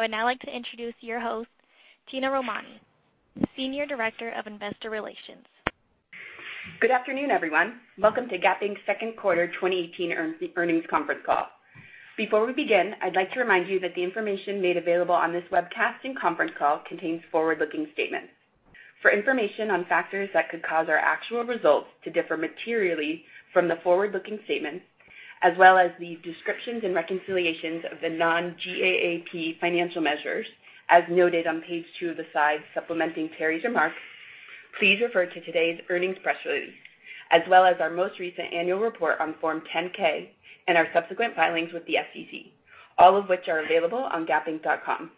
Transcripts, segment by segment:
I'd now like to introduce your host, Tina Romani, Senior Director of Investor Relations. Good afternoon, everyone. Welcome to Gap Inc.'s second quarter 2018 earnings conference call. Before we begin, I'd like to remind you that the information made available on this webcast and conference call contains forward-looking statements. For information on factors that could cause our actual results to differ materially from the forward-looking statements, as well as the descriptions and reconciliations of the non-GAAP financial measures, as noted on page two of the slides supplementing Teri's remarks, please refer to today's earnings press release, as well as our most recent annual report on Form 10-K and our subsequent filings with the SEC, all of which are available on gapinc.com.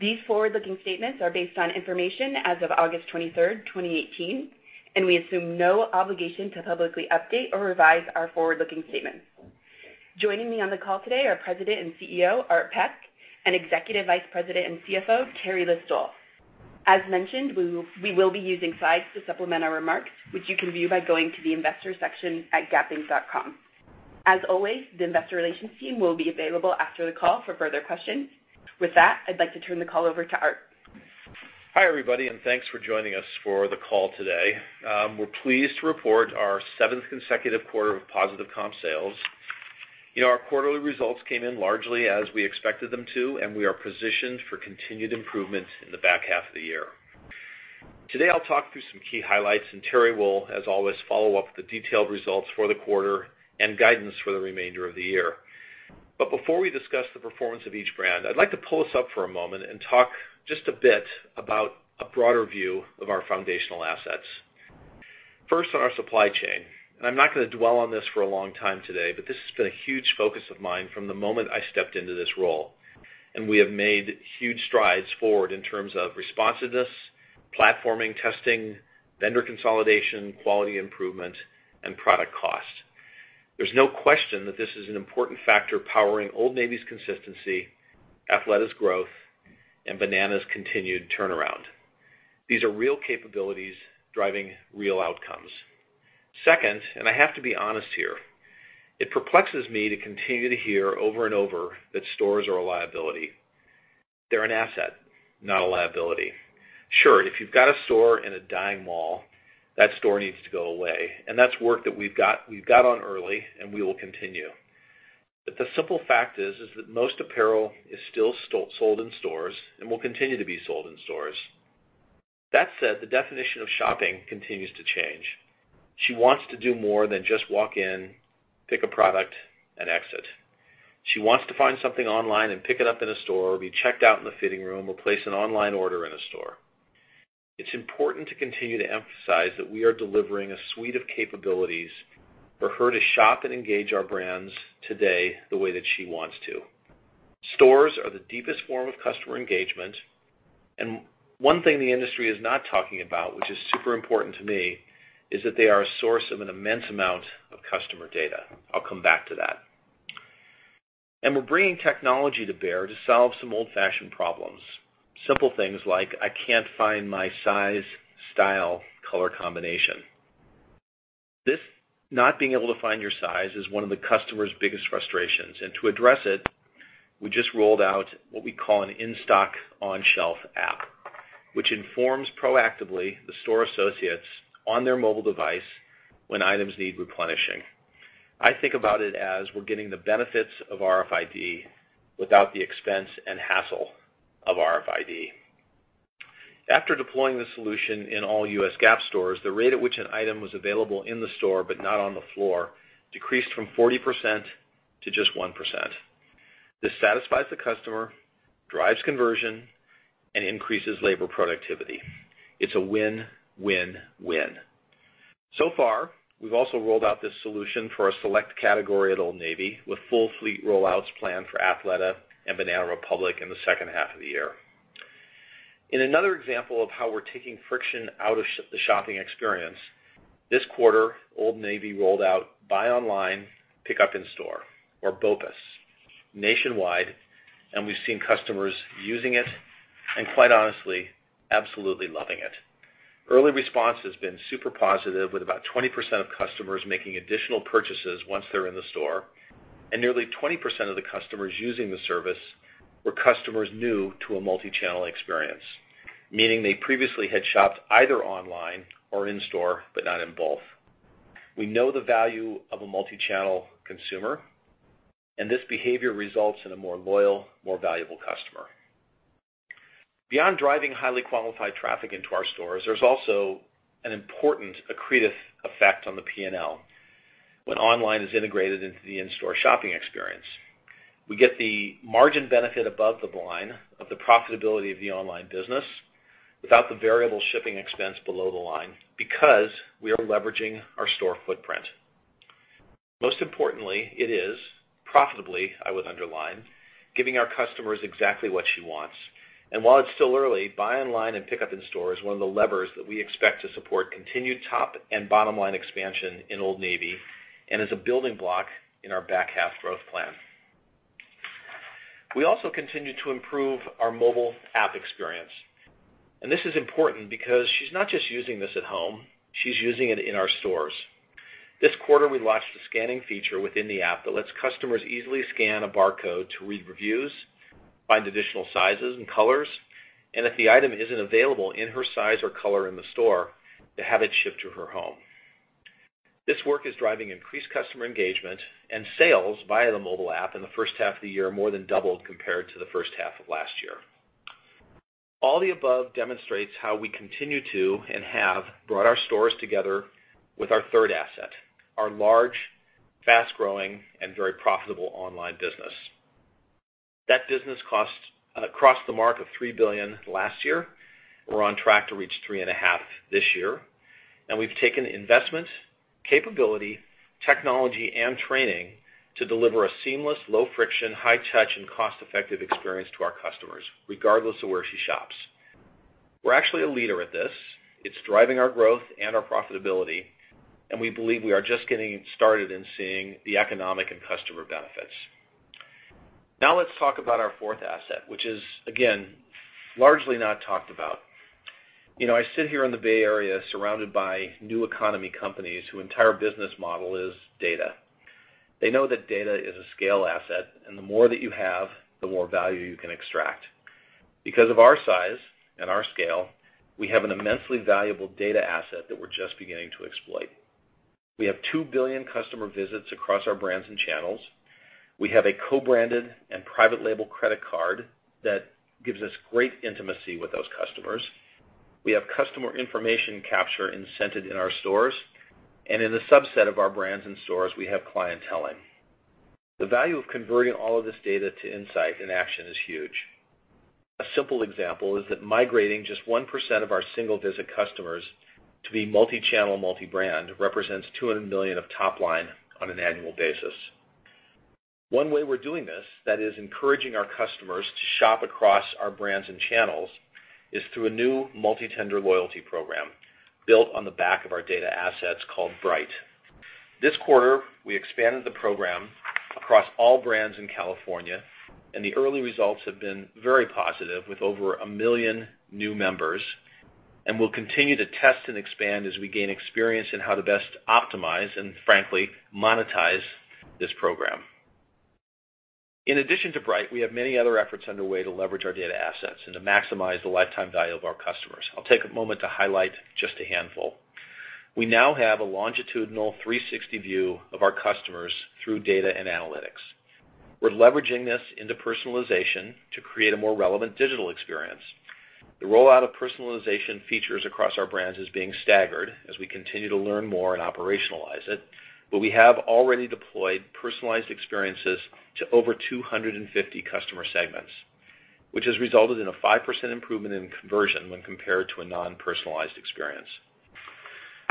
These forward-looking statements are based on information as of August 23rd, 2018, and we assume no obligation to publicly update or revise our forward-looking statements. Joining me on the call today are President and CEO, Art Peck, and Executive Vice President and CFO, Teri List-Stoll. As mentioned, we will be using slides to supplement our remarks, which you can view by going to the Investors section at gapinc.com. As always, the investor relations team will be available after the call for further questions. With that, I'd like to turn the call over to Art. Hi, everybody, and thanks for joining us for the call today. We're pleased to report our seventh consecutive quarter of positive comp sales. Our quarterly results came in largely as we expected them to, and we are positioned for continued improvement in the back half of the year. Today, I'll talk through some key highlights, and Teri will, as always, follow up with the detailed results for the quarter and guidance for the remainder of the year. Before we discuss the performance of each brand, I'd like to pull us up for a moment and talk just a bit about a broader view of our foundational assets. First, on our supply chain, I'm not going to dwell on this for a long time today, this has been a huge focus of mine from the moment I stepped into this role, we have made huge strides forward in terms of responsiveness, platforming, testing, vendor consolidation, quality improvement, and product cost. There's no question that this is an important factor powering Old Navy's consistency, Athleta's growth, and Banana's continued turnaround. These are real capabilities driving real outcomes. Second, I have to be honest here, it perplexes me to continue to hear over and over that stores are a liability. They're an asset, not a liability. Sure, if you've got a store in a dying mall, that store needs to go away, that's work that we've got on early, we will continue. The simple fact is that most apparel is still sold in stores and will continue to be sold in stores. That said, the definition of shopping continues to change. She wants to do more than just walk in, pick a product, and exit. She wants to find something online and pick it up in a store, or be checked out in the fitting room or place an online order in a store. It's important to continue to emphasize that we are delivering a suite of capabilities for her to shop and engage our brands today the way that she wants to. Stores are the deepest form of customer engagement, one thing the industry is not talking about, which is super important to me, is that they are a source of an immense amount of customer data. I'll come back to that. We're bringing technology to bear to solve some old-fashioned problems. Simple things like, "I can't find my size, style, color combination." This not being able to find your size is one of the customer's biggest frustrations, to address it, we just rolled out what we call an in-stock, on-shelf app, which informs proactively the store associates on their mobile device when items need replenishing. I think about it as we're getting the benefits of RFID without the expense and hassle of RFID. After deploying the solution in all U.S. Gap stores, the rate at which an item was available in the store but not on the floor decreased from 40% to just 1%. This satisfies the customer, drives conversion, increases labor productivity. It's a win-win-win. We've also rolled out this solution for a select category at Old Navy, with full fleet rollouts planned for Athleta and Banana Republic in the second half of the year. In another example of how we're taking friction out of the shopping experience, this quarter, Old Navy rolled out buy online, pick up in store, or BOPUS, nationwide, we've seen customers using it quite honestly, absolutely loving it. Early response has been super positive, with about 20% of customers making additional purchases once they're in the store. Nearly 20% of the customers using the service were customers new to a multi-channel experience, meaning they previously had shopped either online or in store, but not in both. We know the value of a multi-channel consumer, this behavior results in a more loyal, more valuable customer. Beyond driving highly qualified traffic into our stores, there's also an important accretive effect on the P&L when online is integrated into the in-store shopping experience. We get the margin benefit above the line of the profitability of the online business without the variable shipping expense below the line because we are leveraging our store footprint. Most importantly, it is profitably, I would underline, giving our customers exactly what she wants. While it's still early, buy online and pick up in store is one of the levers that we expect to support continued top and bottom-line expansion in Old Navy and is a building block in our back half growth plan. We also continue to improve our mobile app experience. This is important because she's not just using this at home. She's using it in our stores. This quarter, we launched a scanning feature within the app that lets customers easily scan a barcode to read reviews, find additional sizes and colors, and if the item isn't available in her size or color in the store, to have it shipped to her home. This work is driving increased customer engagement and sales via the mobile app in the first half of the year, more than doubled compared to the first half of last year. All the above demonstrates how we continue to, and have, brought our stores together with our third asset, our large, fast-growing, and very profitable online business. That business crossed the mark of $3 billion last year. We're on track to reach $3.5 billion this year. We've taken investment, capability, technology, and training to deliver a seamless, low-friction, high-touch, and cost-effective experience to our customers, regardless of where she shops. We're actually a leader at this. It's driving our growth and our profitability, and we believe we are just getting started in seeing the economic and customer benefits. Now let's talk about our fourth asset, which is, again, largely not talked about. I sit here in the Bay Area surrounded by new economy companies whose entire business model is data. They know that data is a scale asset, and the more that you have, the more value you can extract. Because of our size and our scale, we have an immensely valuable data asset that we're just beginning to exploit. We have 2 billion customer visits across our brands and channels. We have a co-branded and private label credit card that gives us great intimacy with those customers. We have customer information capture incented in our stores, and in a subset of our brands and stores, we have clientele in. The value of converting all of this data to insight and action is huge. A simple example is that migrating just 1% of our single-visit customers to be multi-channel, multi-brand represents $200 million of top-line on an annual basis. One way we're doing this, that is encouraging our customers to shop across our brands and channels, is through a new multi-tender loyalty program built on the back of our data assets called Bright. This quarter, we expanded the program across all brands in California, and the early results have been very positive with over 1 million new members. We'll continue to test and expand as we gain experience in how to best optimize and, frankly, monetize this program. In addition to Bright, we have many other efforts underway to leverage our data assets and to maximize the lifetime value of our customers. I'll take a moment to highlight just a handful. We now have a longitudinal 360 view of our customers through data and analytics. We're leveraging this into personalization to create a more relevant digital experience. The rollout of personalization features across our brands is being staggered as we continue to learn more and operationalize it, but we have already deployed personalized experiences to over 250 customer segments, which has resulted in a 5% improvement in conversion when compared to a non-personalized experience.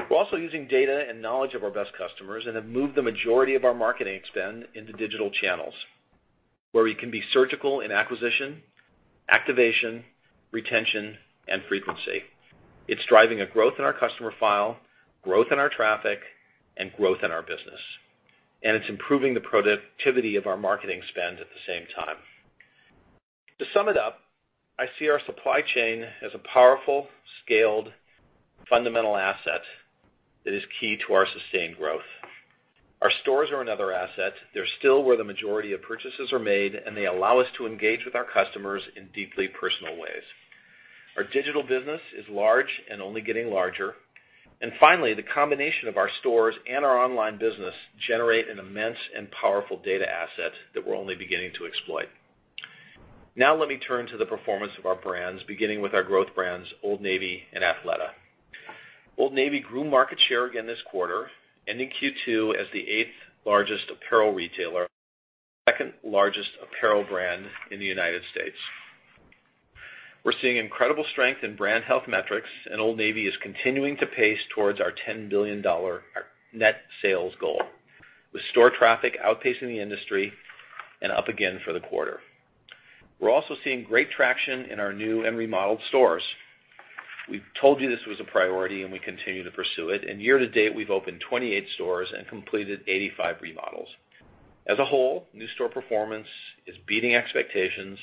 We're also using data and knowledge of our best customers and have moved the majority of our marketing spend into digital channels where we can be surgical in acquisition, activation, retention, and frequency. It's driving a growth in our customer file, growth in our traffic, and growth in our business. It's improving the productivity of our marketing spend at the same time. To sum it up, I see our supply chain as a powerful, scaled, fundamental asset that is key to our sustained growth. Our stores are another asset. They're still where the majority of purchases are made, and they allow us to engage with our customers in deeply personal ways. Our digital business is large and only getting larger. Finally, the combination of our stores and our online business generate an immense and powerful data asset that we're only beginning to exploit. Now let me turn to the performance of our brands, beginning with our growth brands, Old Navy and Athleta. Old Navy grew market share again this quarter, ending Q2 as the eighth-largest apparel retailer and the second-largest apparel brand in the United States. We're seeing incredible strength in brand health metrics, Old Navy is continuing to pace towards our $10 billion net sales goal, with store traffic outpacing the industry and up again for the quarter. We're also seeing great traction in our new and remodeled stores. We've told you this was a priority and we continue to pursue it. Year to date, we've opened 28 stores and completed 85 remodels. As a whole, new store performance is beating expectations,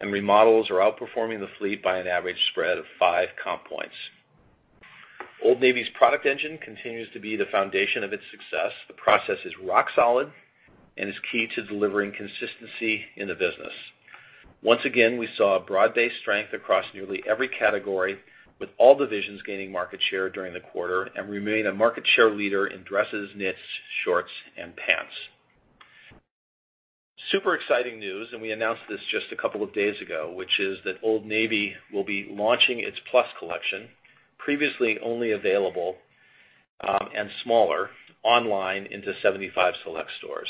and remodels are outperforming the fleet by an average spread of five comp points. Old Navy's product engine continues to be the foundation of its success. The process is rock solid and is key to delivering consistency in the business. Once again, we saw a broad-based strength across nearly every category, with all divisions gaining market share during the quarter and remain a market share leader in dresses, knits, shorts, and pants. Super exciting news, we announced this just a couple of days ago, which is that Old Navy will be launching its Plus collection, previously only available and smaller online into 75 select stores.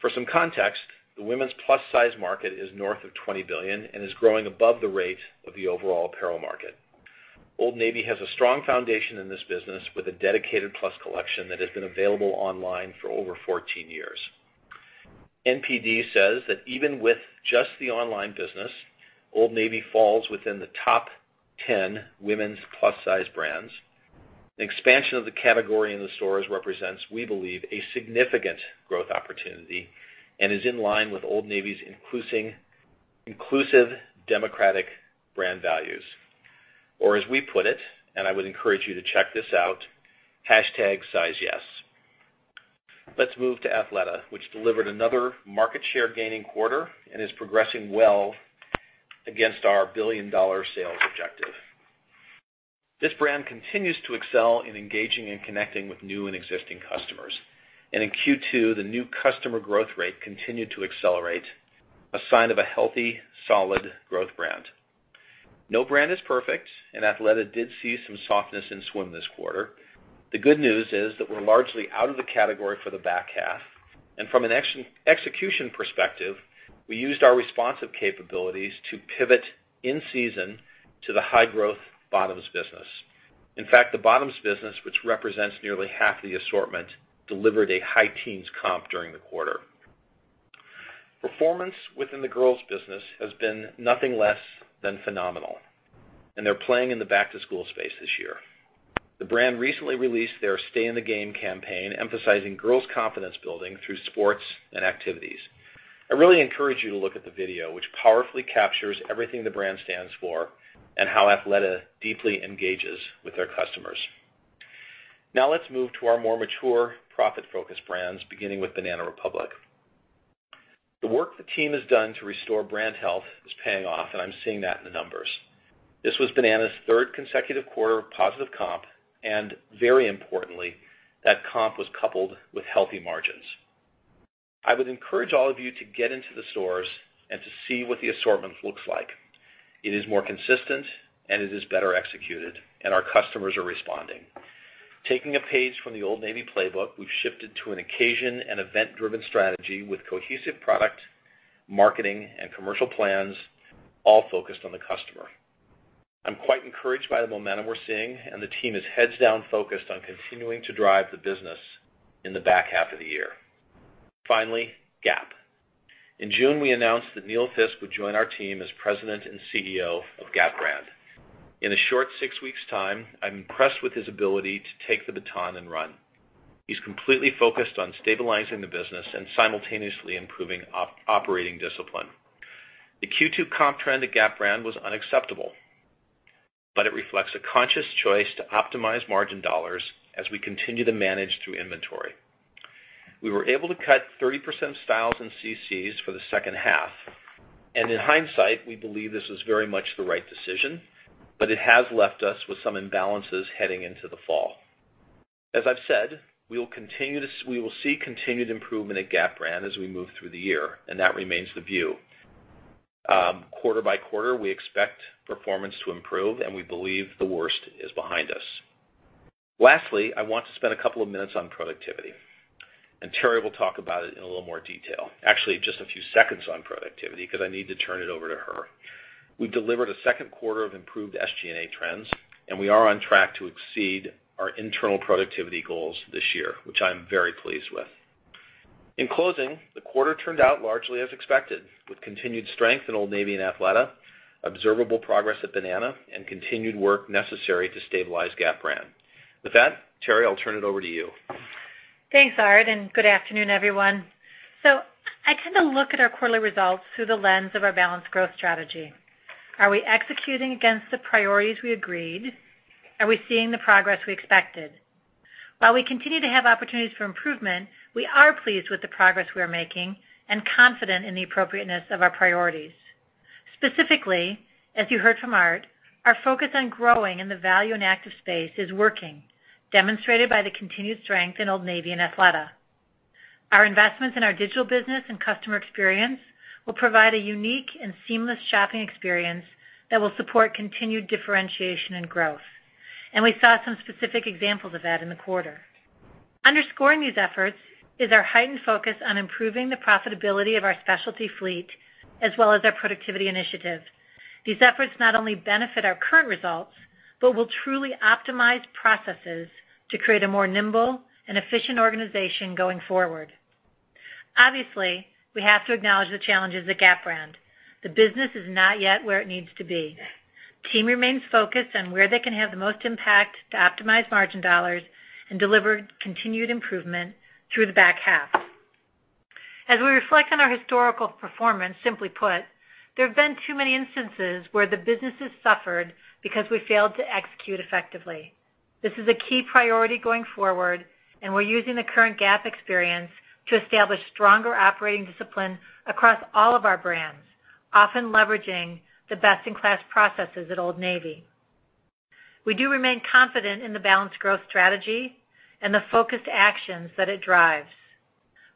For some context, the women's plus-size market is north of $20 billion and is growing above the rate of the overall apparel market. Old Navy has a strong foundation in this business with a dedicated Plus collection that has been available online for over 14 years. NPD says that even with just the online business, Old Navy falls within the top 10 women's plus-size brands. The expansion of the category in the stores represents, we believe, a significant growth opportunity and is in line with Old Navy's inclusive democratic brand values. Or as we put it, and I would encourage you to check this out, #SizeYes. Let's move to Athleta, which delivered another market share gaining quarter and is progressing well against our billion-dollar sales objective. This brand continues to excel in engaging and connecting with new and existing customers. In Q2, the new customer growth rate continued to accelerate, a sign of a healthy, solid growth brand. No brand is perfect, and Athleta did see some softness in swim this quarter. The good news is that we're largely out of the category for the back half. From an execution perspective, we used our responsive capabilities to pivot in season to the high-growth bottoms business. In fact, the bottoms business, which represents nearly half the assortment, delivered a high teens comp during the quarter. Performance within the girls' business has been nothing less than phenomenal, and they're playing in the back-to-school space this year. The brand recently released their Stay in the Game campaign, emphasizing girls' confidence building through sports and activities. I really encourage you to look at the video, which powerfully captures everything the brand stands for and how Athleta deeply engages with their customers. Let's move to our more mature profit-focused brands, beginning with Banana Republic. The work the team has done to restore brand health is paying off, I'm seeing that in the numbers. This was Banana's third consecutive quarter of positive comp, very importantly, that comp was coupled with healthy margins. I would encourage all of you to get into the stores to see what the assortment looks like. It is more consistent, it is better executed, our customers are responding. Taking a page from the Old Navy playbook, we've shifted to an occasion and event-driven strategy with cohesive product marketing and commercial plans all focused on the customer. I'm quite encouraged by the momentum we're seeing, the team is heads down focused on continuing to drive the business in the back half of the year. Finally, Gap. In June, we announced that Neil Fiske would join our team as President and CEO of Gap brand. In a short six weeks' time, I'm impressed with his ability to take the baton and run. He's completely focused on stabilizing the business and simultaneously improving operating discipline. The Q2 comp trend at Gap brand was unacceptable, it reflects a conscious choice to optimize margin dollars as we continue to manage through inventory. We were able to cut 30% styles and CCs for the second half, in hindsight, we believe this was very much the right decision, it has left us with some imbalances heading into the fall. As I've said, we will see continued improvement at Gap brand as we move through the year, that remains the view. Quarter by quarter, we expect performance to improve, we believe the worst is behind us. Lastly, I want to spend a couple of minutes on productivity. Teri will talk about it in a little more detail. Actually, just a few seconds on productivity because I need to turn it over to her. We delivered a second quarter of improved SG&A trends. We are on track to exceed our internal productivity goals this year, which I am very pleased with. In closing, the quarter turned out largely as expected, with continued strength in Old Navy and Athleta, observable progress at Banana, and continued work necessary to stabilize Gap brand. With that, Teri, I'll turn it over to you. Thanks, Art, and good afternoon, everyone. I tend to look at our quarterly results through the lens of our balanced growth strategy. Are we executing against the priorities we agreed? Are we seeing the progress we expected? While we continue to have opportunities for improvement, we are pleased with the progress we are making and confident in the appropriateness of our priorities. Specifically, as you heard from Art, our focus on growing in the value and active space is working, demonstrated by the continued strength in Old Navy and Athleta. Our investments in our digital business and customer experience will provide a unique and seamless shopping experience that will support continued differentiation and growth. We saw some specific examples of that in the quarter. Underscoring these efforts is our heightened focus on improving the profitability of our specialty fleet, as well as our productivity initiative. These efforts not only benefit our current results, but will truly optimize processes to create a more nimble and efficient organization going forward. Obviously, we have to acknowledge the challenges at Gap brand. The business is not yet where it needs to be. Team remains focused on where they can have the most impact to optimize margin dollars and deliver continued improvement through the back half. As we reflect on our historical performance, simply put, there have been too many instances where the businesses suffered because we failed to execute effectively. This is a key priority going forward. We're using the current Gap experience to establish stronger operating discipline across all of our brands, often leveraging the best-in-class processes at Old Navy. We do remain confident in the balanced growth strategy and the focused actions that it drives.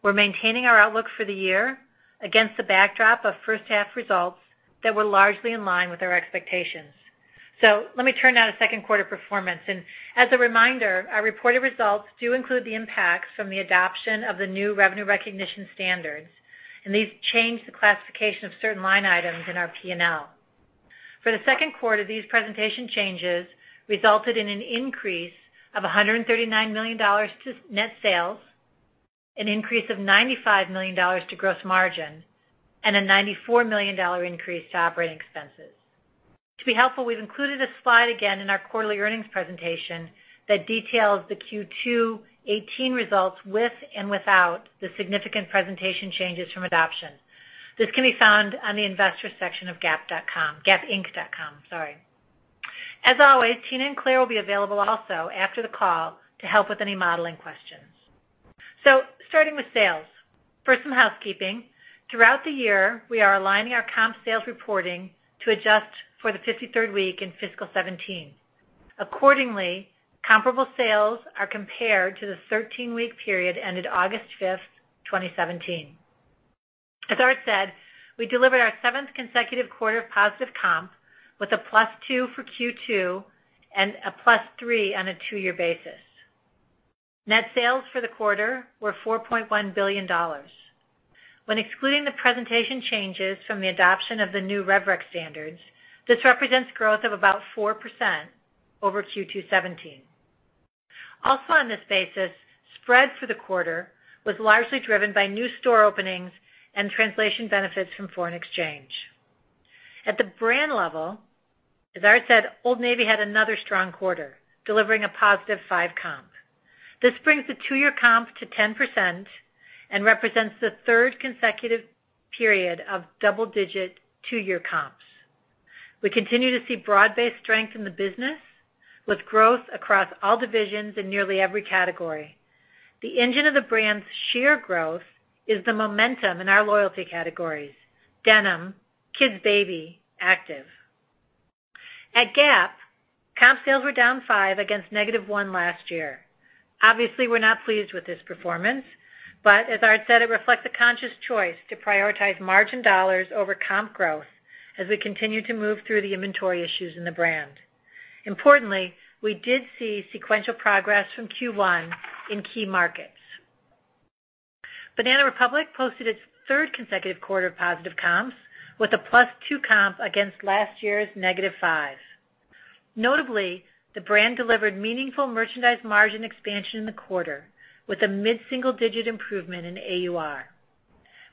We're maintaining our outlook for the year against the backdrop of first half results that were largely in line with our expectations. Let me turn now to second quarter performance. As a reminder, our reported results do include the impacts from the adoption of the new revenue recognition standards. These change the classification of certain line items in our P&L. For the second quarter, these presentation changes resulted in an increase of $139 million to net sales, an increase of $95 million to gross margin, and a $94 million increase to operating expenses. To be helpful, we've included a slide again in our quarterly earnings presentation that details the Q2 2018 results with and without the significant presentation changes from adoption. This can be found on the investor section of gapinc.com. As always, Tina and Claire will be available also after the call to help with any modeling questions. Starting with sales. First, some housekeeping. Throughout the year, we are aligning our comp sales reporting to adjust for the 53rd week in fiscal 2017. Accordingly, comparable sales are compared to the 13-week period ended August 5th, 2017. As Art said, we delivered our seventh consecutive quarter of positive comp with a +2 for Q2 and a +3 on a two-year basis. Net sales for the quarter were $4.1 billion. When excluding the presentation changes from the adoption of the new RevRec standards, this represents growth of about 4% over Q2 2017. Also on this basis, spread for the quarter was largely driven by new store openings and translation benefits from foreign exchange. At the brand level, as Art said, Old Navy had another strong quarter, delivering a +5 comp. This brings the two-year comp to 10% and represents the third consecutive period of double-digit two-year comps. We continue to see broad-based strength in the business with growth across all divisions in nearly every category. The engine of the brand's sheer growth is the momentum in our loyalty categories, denim, kids baby, active. At Gap, comp sales were down 5 against -1 last year. Obviously, we're not pleased with this performance, but as Art said, it reflects a conscious choice to prioritize margin dollars over comp growth as we continue to move through the inventory issues in the brand. Importantly, we did see sequential progress from Q1 in key markets. Banana Republic posted its third consecutive quarter of positive comps with a +2 comp against last year's -5. Notably, the brand delivered meaningful merchandise margin expansion in the quarter with a mid-single-digit improvement in AUR.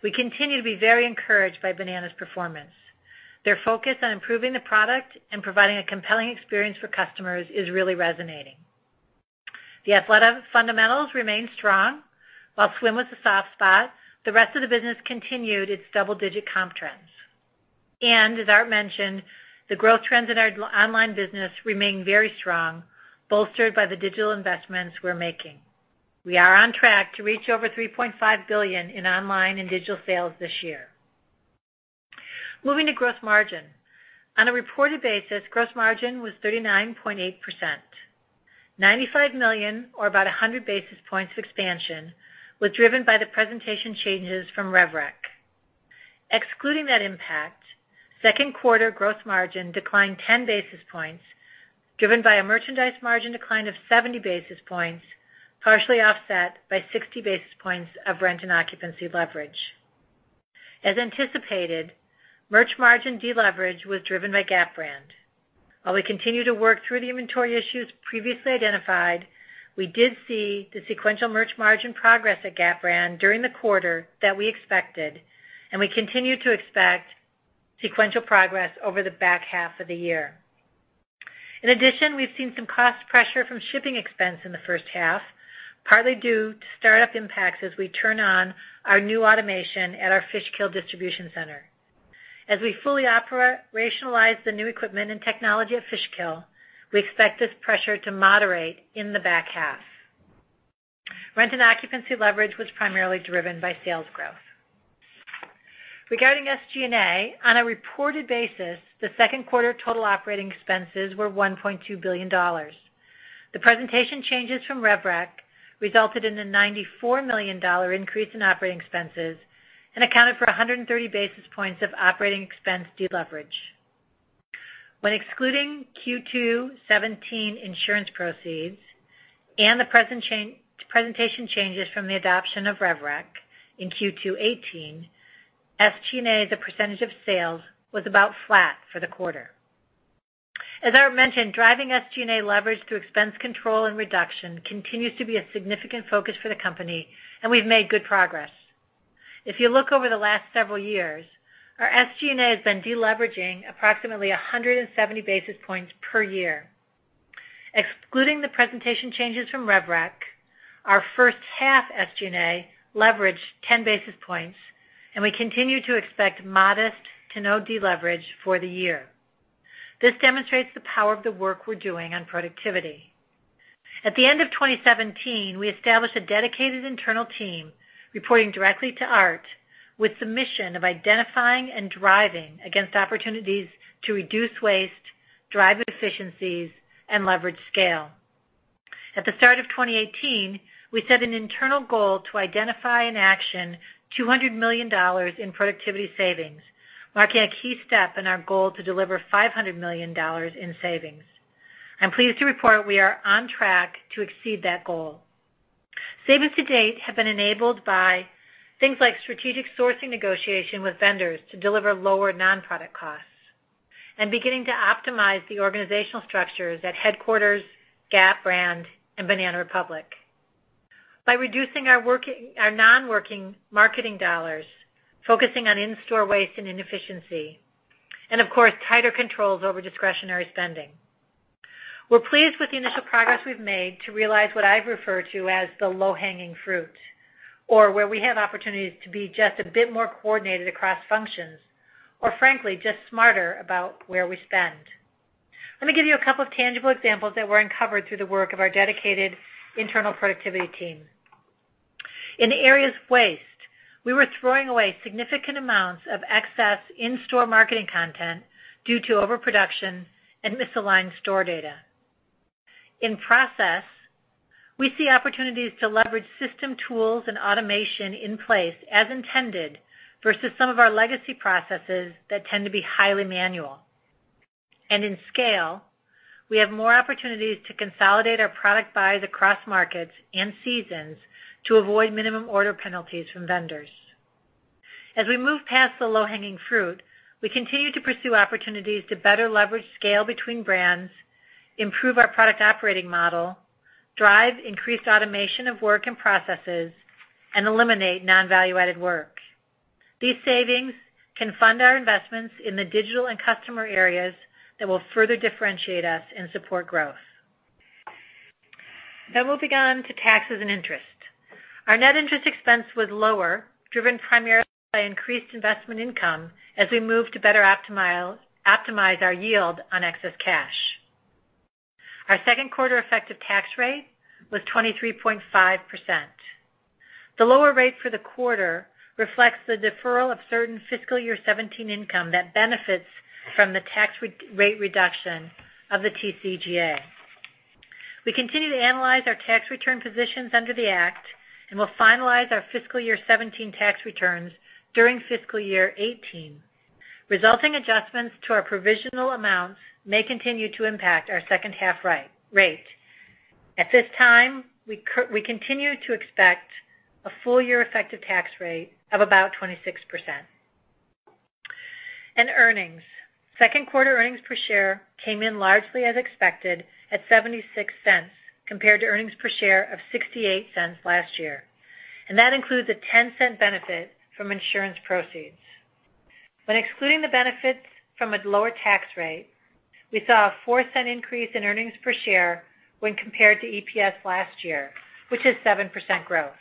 We continue to be very encouraged by Banana's performance. Their focus on improving the product and providing a compelling experience for customers is really resonating. The athletic fundamentals remain strong. While swim was a soft spot, the rest of the business continued its double-digit comp trends. As Art mentioned, the growth trends in our online business remain very strong, bolstered by the digital investments we're making. We are on track to reach over $3.5 billion in online and digital sales this year. Moving to gross margin. On a reported basis, gross margin was 39.8%. $95 million or about 100 basis points of expansion was driven by the presentation changes from RevRec. Excluding that impact, second quarter gross margin declined 10 basis points, driven by a merchandise margin decline of 70 basis points, partially offset by 60 basis points of rent and occupancy leverage. As anticipated, merch margin deleverage was driven by Gap brand. While we continue to work through the inventory issues previously identified, we did see the sequential merch margin progress at Gap brand during the quarter that we expected, and we continue to expect sequential progress over the back half of the year. In addition, we've seen some cost pressure from shipping expense in the first half, partly due to startup impacts as we turn on our new automation at our Fishkill distribution center. As we fully operationalize the new equipment and technology at Fishkill, we expect this pressure to moderate in the back half. Regarding SG&A, on a reported basis, the second quarter total operating expenses were $1.2 billion. The presentation changes from RevRec resulted in a $94 million increase in operating expenses and accounted for 130 basis points of operating expense deleverage. When excluding Q2 2017 insurance proceeds and the presentation changes from the adoption of RevRec in Q2 2018, SG&A as a percentage of sales was about flat for the quarter. As Art mentioned, driving SG&A leverage through expense control and reduction continues to be a significant focus for the company, and we've made good progress. If you look over the last several years, our SG&A has been deleveraging approximately 170 basis points per year. Excluding the presentation changes from RevRec, our first half SG&A leveraged 10 basis points, and we continue to expect modest to no deleverage for the year. This demonstrates the power of the work we're doing on productivity. At the end of 2017, we established a dedicated internal team reporting directly to Art with the mission of identifying and driving against opportunities to reduce waste, drive efficiencies, and leverage scale. At the start of 2018, we set an internal goal to identify and action $200 million in productivity savings, marking a key step in our goal to deliver $500 million in savings. I'm pleased to report we are on track to exceed that goal. Savings to date have been enabled by things like strategic sourcing negotiation with vendors to deliver lower non-product costs. Beginning to optimize the organizational structures at headquarters, Gap brand, and Banana Republic. By reducing our non-working marketing dollars, focusing on in-store waste and inefficiency, and of course, tighter controls over discretionary spending. We're pleased with the initial progress we've made to realize what I refer to as the low-hanging fruit, or where we have opportunities to be just a bit more coordinated across functions, or frankly, just smarter about where we spend. Let me give you a couple of tangible examples that were uncovered through the work of our dedicated internal productivity team. In the areas of waste, we were throwing away significant amounts of excess in-store marketing content due to overproduction and misaligned store data. In process, we see opportunities to leverage system tools and automation in place as intended versus some of our legacy processes that tend to be highly manual. In scale, we have more opportunities to consolidate our product buys across markets and seasons to avoid minimum order penalties from vendors. As we move past the low-hanging fruit, we continue to pursue opportunities to better leverage scale between brands, improve our product operating model, drive increased automation of work and processes, and eliminate non-value-added work. These savings can fund our investments in the digital and customer areas that will further differentiate us and support growth. Now we'll begin to taxes and interest. Our net interest expense was lower, driven primarily by increased investment income as we move to better optimize our yield on excess cash. Our second quarter effective tax rate was 23.5%. The lower rate for the quarter reflects the deferral of certain fiscal year 2017 income that benefits from the tax rate reduction of the TCJA. We continue to analyze our tax return positions under the act, and will finalize our fiscal year 2017 tax returns during fiscal year 2018. Resulting adjustments to our provisional amounts may continue to impact our second half rate. At this time, we continue to expect a full year effective tax rate of about 26%. Earnings. Second quarter earnings per share came in largely as expected at $0.76 compared to earnings per share of $0.68 last year. That includes a $0.10 benefit from insurance proceeds. When excluding the benefits from a lower tax rate, we saw a $0.04 increase in earnings per share when compared to EPS last year, which is 7% growth.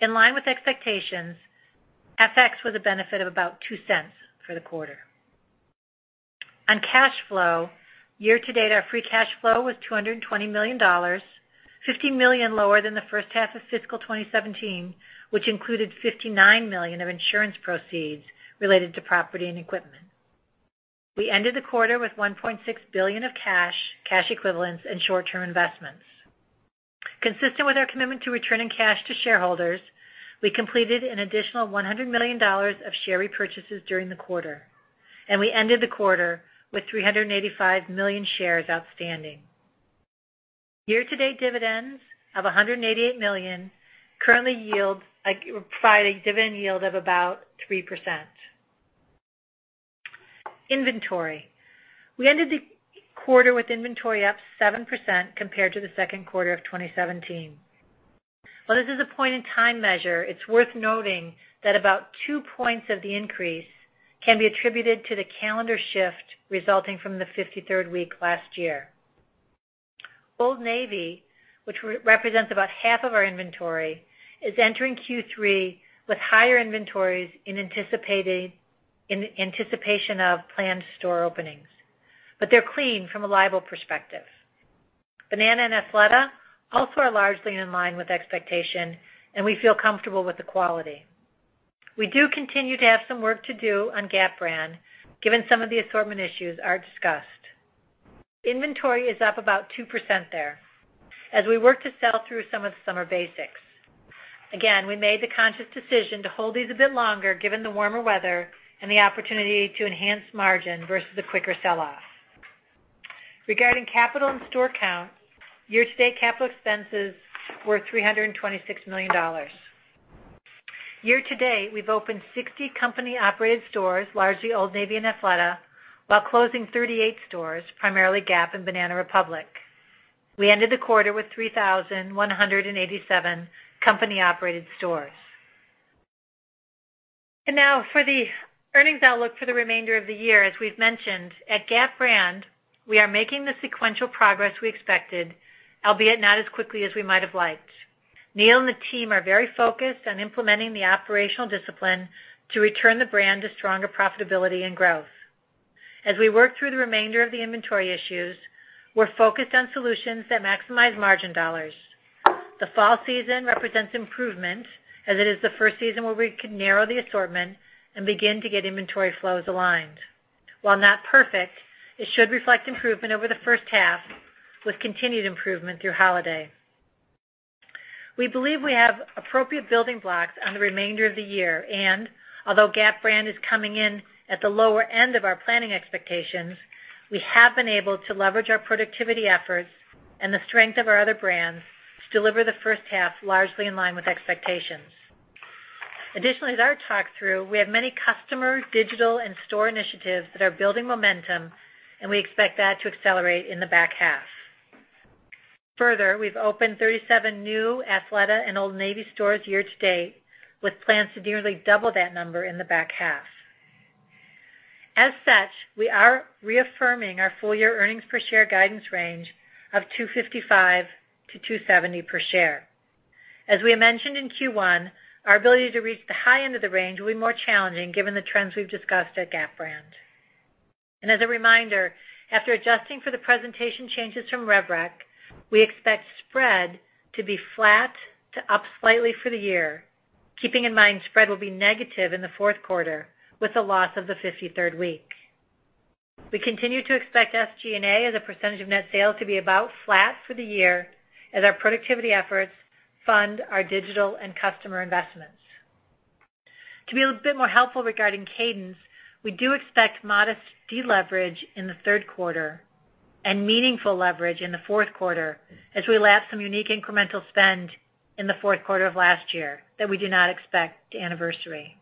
In line with expectations, FX was a benefit of about $0.02 for the quarter. On cash flow, year-to-date our free cash flow was $220 million, $15 million lower than the first half of fiscal 2017, which included $59 million of insurance proceeds related to property and equipment. We ended the quarter with $1.6 billion of cash equivalents, and short-term investments. Consistent with our commitment to returning cash to shareholders, we completed an additional $100 million of share repurchases during the quarter, we ended the quarter with 385 million shares outstanding. Year-to-date dividends of $188 million currently provide a dividend yield of about 3%. Inventory. We ended the quarter with inventory up 7% compared to the second quarter of 2017. While this is a point in time measure, it's worth noting that about 2 points of the increase can be attributed to the calendar shift resulting from the 53rd week last year. Old Navy, which represents about half of our inventory, is entering Q3 with higher inventories in anticipation of planned store openings. They're clean from a liability perspective. Banana and Athleta also are largely in line with expectation, we feel comfortable with the quality. We do continue to have some work to do on Gap brand, given some of the assortment issues I discussed. Inventory is up about 2% there as we work to sell through some of the summer basics. Again, we made the conscious decision to hold these a bit longer given the warmer weather and the opportunity to enhance margin versus a quicker sell-off. Regarding capital and store count, year-to-date capital expenses were $326 million. Year-to-date, we've opened 60 company-operated stores, largely Old Navy and Athleta, while closing 38 stores, primarily Gap and Banana Republic. We ended the quarter with 3,187 company-operated stores. Now for the earnings outlook for the remainder of the year, as we've mentioned, at Gap brand, we are making the sequential progress we expected, albeit not as quickly as we might have liked. Neil and the team are very focused on implementing the operational discipline to return the brand to stronger profitability and growth. As we work through the remainder of the inventory issues, we're focused on solutions that maximize margin dollars. The fall season represents improvement, as it is the first season where we can narrow the assortment and begin to get inventory flows aligned. While not perfect, it should reflect improvement over the first half with continued improvement through holiday. We believe we have appropriate building blocks on the remainder of the year. Although Gap brand is coming in at the lower end of our planning expectations, we have been able to leverage our productivity efforts and the strength of our other brands to deliver the first half largely in line with expectations. Additionally, as Art talked through, we have many customer digital and store initiatives that are building momentum, and we expect that to accelerate in the back half. Further, we've opened 37 new Athleta and Old Navy stores year to date, with plans to nearly double that number in the back half. As such, we are reaffirming our full-year earnings per share guidance range of $2.55 to $2.70 per share. As we mentioned in Q1, our ability to reach the high end of the range will be more challenging given the trends we've discussed at Gap brand. As a reminder, after adjusting for the presentation changes from RevRec, we expect spread to be flat to up slightly for the year, keeping in mind spread will be negative in the fourth quarter with the loss of the fifty-third week. We continue to expect SG&A as a percentage of net sales to be about flat for the year as our productivity efforts fund our digital and customer investments. To be a bit more helpful regarding cadence, we do expect modest deleverage in the third quarter and meaningful leverage in the fourth quarter as we lap some unique incremental spend in the fourth quarter of last year that we do not expect to anniversary.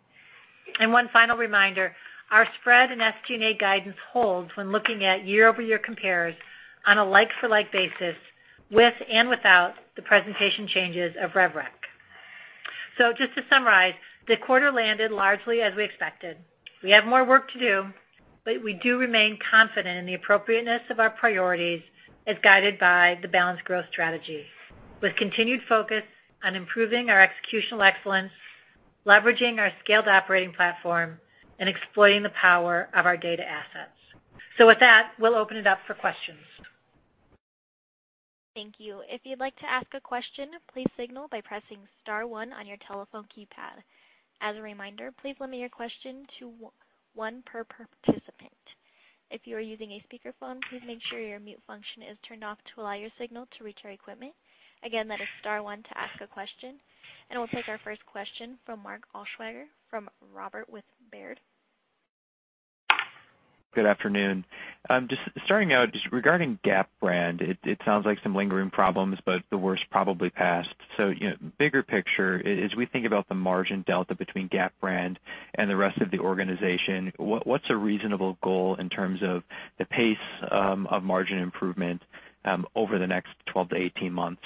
One final reminder, our spread in SG&A guidance holds when looking at year-over-year compares on a like-for-like basis with and without the presentation changes of RevRec. Just to summarize, the quarter landed largely as we expected. We have more work to do, but we do remain confident in the appropriateness of our priorities as guided by the balanced growth strategy, with continued focus on improving our executional excellence, leveraging our scaled operating platform, and exploiting the power of our data assets. With that, we'll open it up for questions. Thank you. If you'd like to ask a question, please signal by pressing star one on your telephone keypad. As a reminder, please limit your question to one per participant. If you are using a speakerphone, please make sure your mute function is turned off to allow your signal to reach our equipment. Again, that is star one to ask a question, and we'll take our first question from Mark Altschwager from Robert W. Baird. Good afternoon. Just starting out, just regarding Gap brand, it sounds like some lingering problems, but the worst probably passed. Bigger picture is, we think about the margin delta between Gap brand and the rest of the organization, what's a reasonable goal in terms of the pace of margin improvement over the next 12 to 18 months?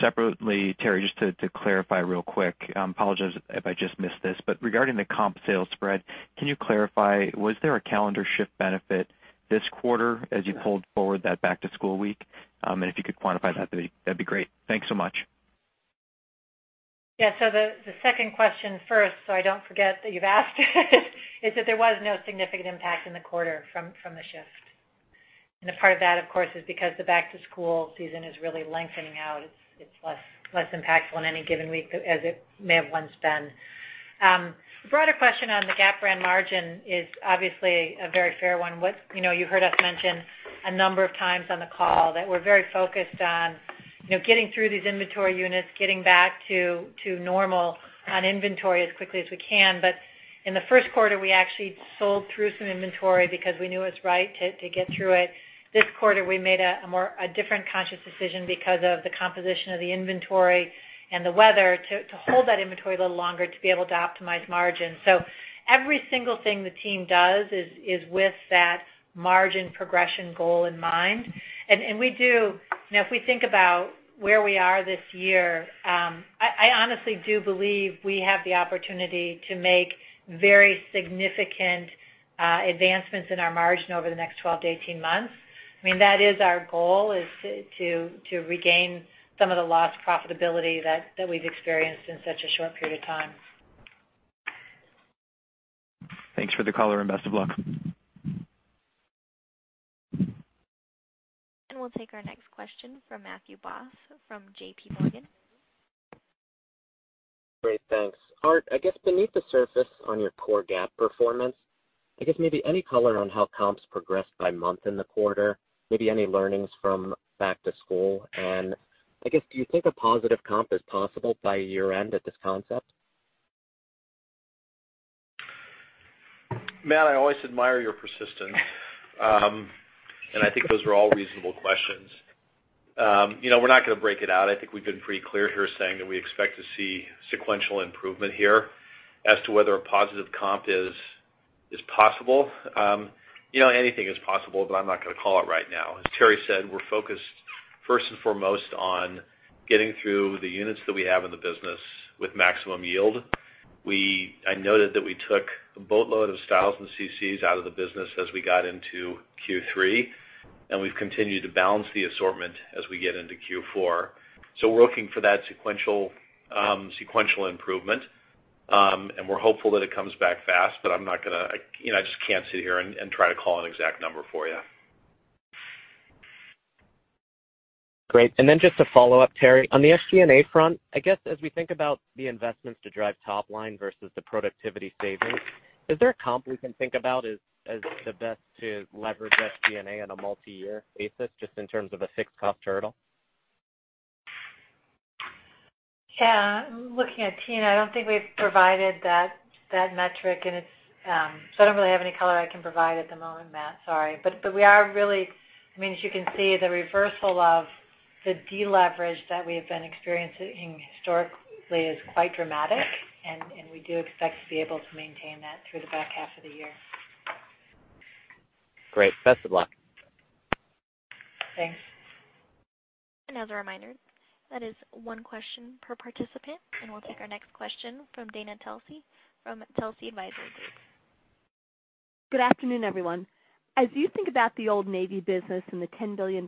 Separately, Teri, just to clarify real quick, apologize if I just missed this, but regarding the comp sales spread, can you clarify, was there a calendar shift benefit this quarter as you pulled forward that back-to-school week? If you could quantify that'd be great. Thanks so much. Yeah. The second question first, I don't forget that you've asked it, is that there was no significant impact in the quarter from the shift. A part of that, of course, is because the back-to-school season is really lengthening out. It's less impactful in any given week as it may have once been. The broader question on the Gap brand margin is obviously a very fair one. You heard us mention a number of times on the call that we're very focused on getting through these inventory units, getting back to normal on inventory as quickly as we can. In the first quarter, we actually sold through some inventory because we knew it was right to get through it. This quarter, we made a different conscious decision because of the composition of the inventory and the weather to hold that inventory a little longer to be able to optimize margin. Every single thing the team does is with that margin progression goal in mind. If we think about where we are this year, I honestly do believe we have the opportunity to make very significant advancements in our margin over the next 12 to 18 months. I mean, that is our goal, is to regain some of the lost profitability that we've experienced in such a short period of time. Thanks for the color. Best of luck. We'll take our next question from Matthew Boss from JPMorgan. Great. Thanks. Art, I guess beneath the surface on your core Gap performance, I guess maybe any color on how comps progressed by month in the quarter, maybe any learnings from back to school. Do you think a positive comp is possible by year-end at this concept? Matt, I always admire your persistence. I think those are all reasonable questions. We're not going to break it out. I think we've been pretty clear here saying that we expect to see sequential improvement here. As to whether a positive comp is possible, anything is possible, but I'm not going to call it right now. As Teri said, we're focused first and foremost on getting through the units that we have in the business with maximum yield. I noted that we took a boatload of styles and CCs out of the business as we got into Q3, and we've continued to balance the assortment as we get into Q4. We're looking for that sequential improvement, and we're hopeful that it comes back fast, but I just can't sit here and try to call an exact number for you. Great. Then just to follow up, Teri, on the SG&A front, I guess, as we think about the investments to drive top line versus the productivity savings, is there a comp we can think about as the best to leverage SG&A on a multi-year basis, just in terms of a fixed-cost hurdle? Yeah. Looking at Tina, I don't think we've provided that metric. I don't really have any color I can provide at the moment, Matt. Sorry. As you can see, the reversal of the deleverage that we have been experiencing historically is quite dramatic, and we do expect to be able to maintain that through the back half of the year. Great. Best of luck. Thanks. As a reminder, that is one question per participant. We'll take our next question from Dana Telsey from Telsey Advisory Group. Good afternoon, everyone. As you think about the Old Navy business and the $10 billion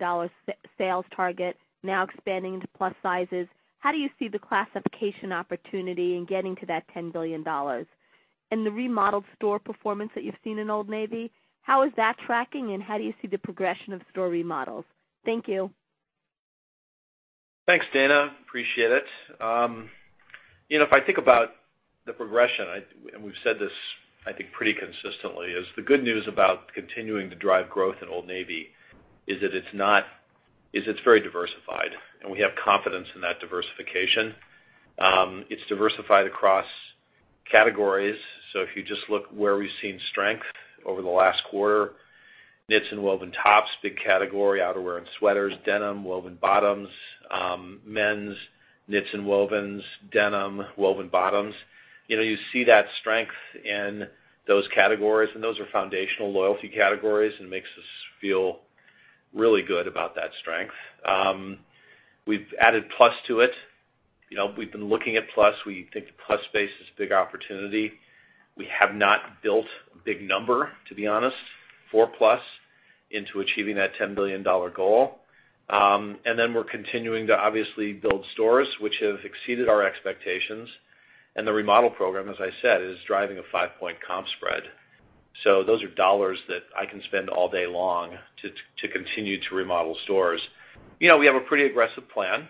sales target now expanding into plus-sizes, how do you see the classification opportunity in getting to that $10 billion? The remodeled store performance that you've seen in Old Navy, how is that tracking, and how do you see the progression of store remodels? Thank you. Thanks, Dana. Appreciate it. If I think about the progression, we've said this I think pretty consistently, is the good news about continuing to drive growth in Old Navy is that it's very diversified, and we have confidence in that diversification. It's diversified across categories. If you just look where we've seen strength over the last quarter, knits and woven tops, big category. Outerwear and sweaters, denim, woven bottoms, men's knits and wovens, denim, woven bottoms. You see that strength in those categories, and those are foundational loyalty categories and makes us feel really good about that strength. We've added Plus to it. We've been looking at Plus. We think the Plus space is a big opportunity. We have not built a big number, to be honest, for Plus into achieving that $10 billion goal. We're continuing to obviously build stores which have exceeded our expectations. The remodel program, as I said, is driving a five-point comp spread. Those are dollars that I can spend all day long to continue to remodel stores. We have a pretty aggressive plan.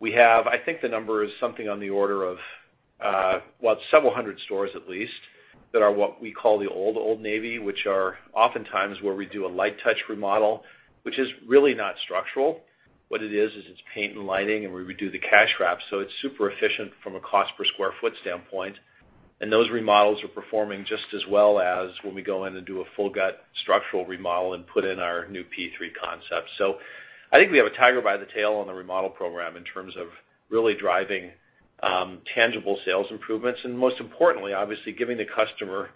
We have, I think the number is something on the order of, well, it's several hundred stores at least, that are what we call the old Old Navy, which are oftentimes where we do a light touch remodel, which is really not structural. What it is is it's paint and lighting, and we redo the cash wrap, so it's super efficient from a cost per square foot standpoint. Those remodels are performing just as well as when we go in and do a full gut structural remodel and put in our new P3 concept. I think we have a tiger by the tail on the remodel program in terms of really driving tangible sales improvements, and most importantly, obviously giving the customer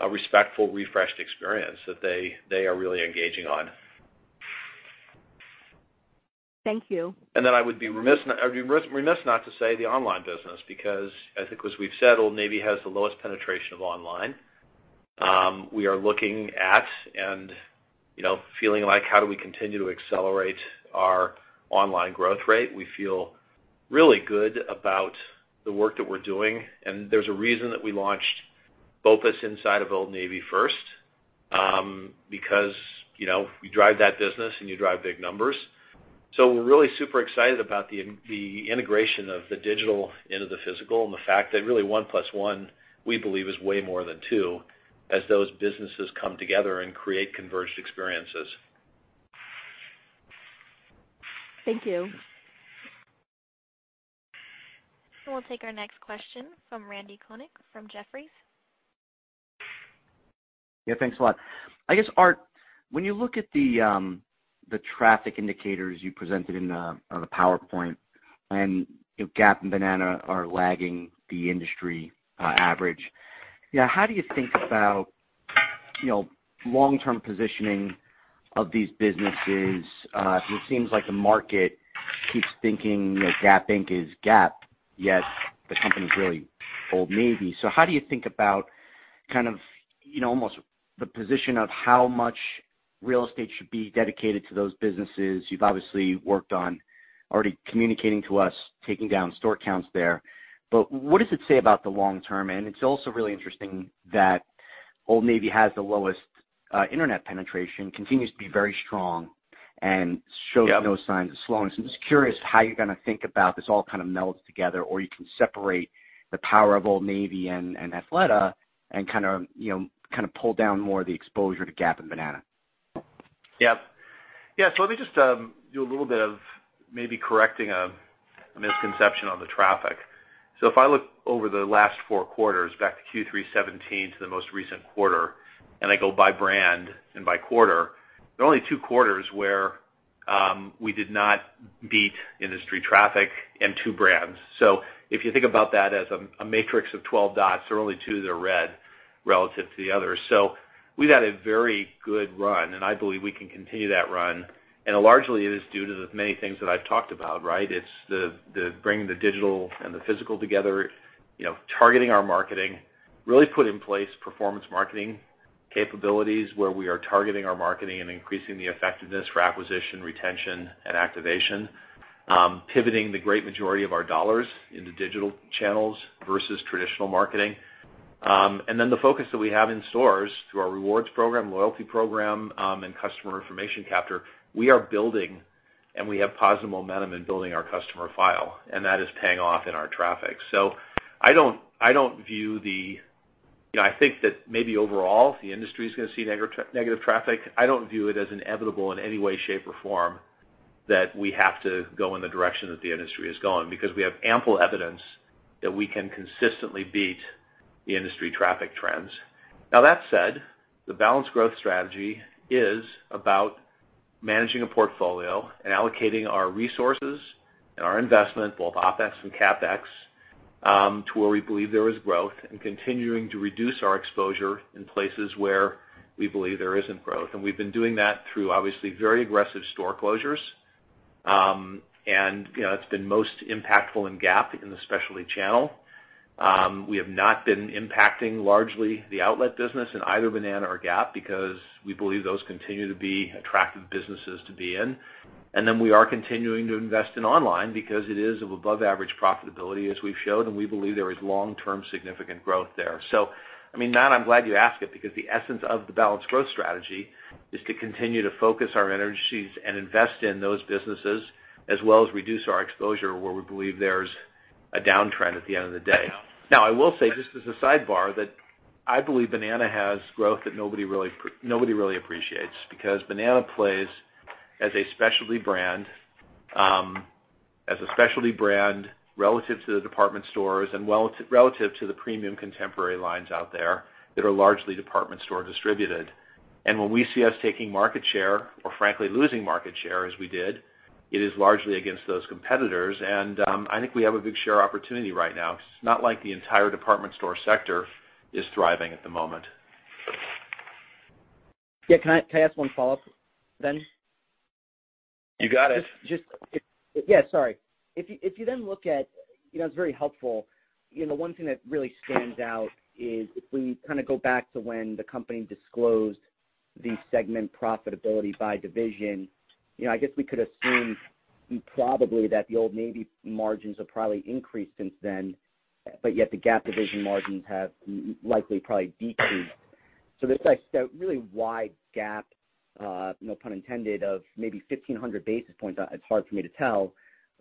a respectful, refreshed experience that they are really engaging on. Thank you. I would be remiss not to say the online business because I think as we've said, Old Navy has the lowest penetration of online. We are looking at and feeling like, how do we continue to accelerate our online growth rate? We feel really good about the work that we're doing, and there's a reason that we launched BOPIS inside of Old Navy first. Because you drive that business and you drive big numbers. We're really super excited about the integration of the digital into the physical and the fact that really one plus one, we believe, is way more than two as those businesses come together and create converged experiences. Thank you. We'll take our next question from Randal Konik from Jefferies. Yeah, thanks a lot. I guess, Art, when you look at the traffic indicators you presented in the PowerPoint, Gap and Banana are lagging the industry average, how do you think about long-term positioning of these businesses? It seems like the market keeps thinking that Gap Inc. is Gap, yet the company's really Old Navy. How do you think about almost the position of how much real estate should be dedicated to those businesses? You've obviously worked on already communicating to us, taking down store counts there. What does it say about the long term? It's also really interesting that Old Navy has the lowest internet penetration, continues to be very strong, and shows- Yep no signs of slowing. I'm just curious how you're gonna think about this all kind of melds together, or you can separate the power of Old Navy and Athleta and pull down more of the exposure to Gap and Banana. Yep. Let me just do a little bit of maybe correcting a misconception on the traffic. If I look over the last four quarters, back to Q3 2017 to the most recent quarter, and I go by brand and by quarter, there are only two quarters where we did not beat industry traffic in two brands. If you think about that as a matrix of 12 dots, there are only two that are red relative to the others. We've had a very good run, and I believe we can continue that run. Largely, it is due to the many things that I've talked about, right? It's the bringing the digital and the physical together, targeting our marketing, really put in place performance marketing capabilities where we are targeting our marketing and increasing the effectiveness for acquisition, retention, and activation. Pivoting the great majority of our dollars into digital channels versus traditional marketing. Then the focus that we have in stores through our rewards program, loyalty program, and customer information capture. We are building, and we have positive momentum in building our customer file, and that is paying off in our traffic. I think that maybe overall, the industry's gonna see negative traffic. I don't view it as inevitable in any way, shape, or form that we have to go in the direction that the industry is going. Because we have ample evidence that we can consistently beat the industry traffic trends. That said, the balanced growth strategy is about managing a portfolio and allocating our resources and our investment, both OpEx and CapEx, to where we believe there is growth, and continuing to reduce our exposure in places where we believe there isn't growth. We've been doing that through obviously very aggressive store closures. It's been most impactful in Gap in the specialty channel. We have not been impacting largely the outlet business in either Banana or Gap because we believe those continue to be attractive businesses to be in. Then we are continuing to invest in online because it is of above average profitability, as we've showed, and we believe there is long-term significant growth there. Matt, I'm glad you asked it because the essence of the balanced growth strategy is to continue to focus our energies and invest in those businesses, as well as reduce our exposure where we believe there's a downtrend at the end of the day. I will say, just as a sidebar, that I believe Banana has growth that nobody really appreciates, because Banana plays as a specialty brand relative to the department stores and relative to the premium contemporary lines out there that are largely department store distributed. When we see us taking market share, or frankly losing market share as we did, it is largely against those competitors. I think we have a big share opportunity right now. It's not like the entire department store sector is thriving at the moment. Yeah. Can I ask one follow-up then? You got it. Yeah, sorry. It's very helpful. One thing that really stands out is if we go back to when the company disclosed the segment profitability by division, I guess we could assume probably that the Old Navy margins have probably increased since then, but yet the Gap division margins have likely probably decreased. There's this really wide gap, no pun intended, of maybe 1,500 basis points, it's hard for me to tell,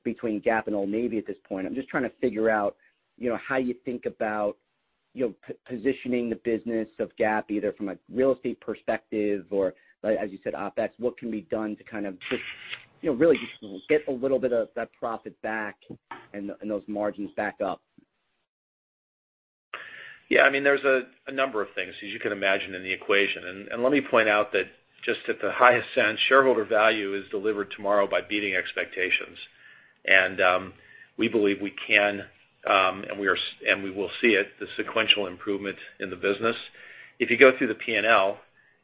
between Gap and Old Navy at this point. I'm just trying to figure out how you think about positioning the business of Gap, either from a real estate perspective or, as you said, OpEx. What can be done to just really get a little bit of that profit back and those margins back up? Yeah, there's a number of things, as you can imagine, in the equation. Let me point out that just at the highest sense, shareholder value is delivered tomorrow by beating expectations. We believe we can, and we will see it, the sequential improvement in the business. If you go through the P&L,